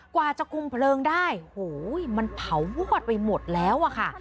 กว่าจะคุมเพลิงได้โหมันเผาวอดไปหมดแล้วอะค่ะ